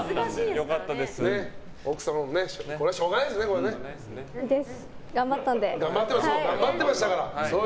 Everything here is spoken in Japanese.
奥様もこれはしょうがないですね。頑張ったんで。